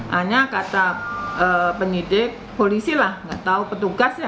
hanya kata penyidik polisi lah nggak tahu petugasnya